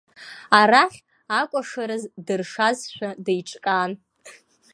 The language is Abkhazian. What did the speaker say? Арахь акәашараз дыршазшәа деиҿкаан.